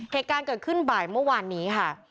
เหตุการณ์เกิดขึ้นบ่ายเมื่อวานนี้ค่ะ